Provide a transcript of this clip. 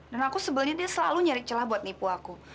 dan aku sebelnya dia selalu nyarik celah buat nipu aku